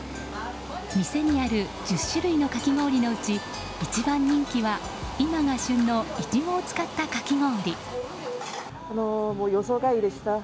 店にある１０種類のかき氷のうち一番人気は今が旬のイチゴを使ったかき氷。